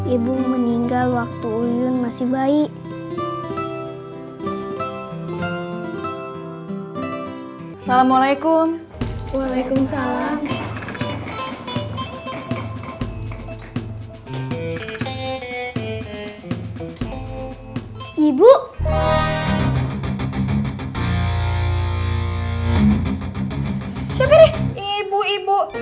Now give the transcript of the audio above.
ibu meninggal waktu uyun masih bayi